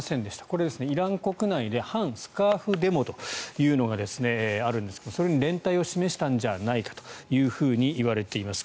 これ、イラン国内で反スカーフデモというのがあるんですがそれに連帯を示したんじゃないかといわれています。